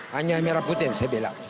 hanya merah putih yang saya belah